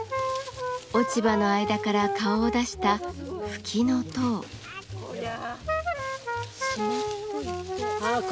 落ち葉の間から顔を出したフキノトウ。